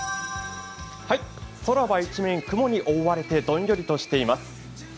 空は一面、雲に覆われてどんよりとしています。